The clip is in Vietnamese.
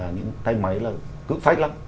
những tay máy là cự phách lắm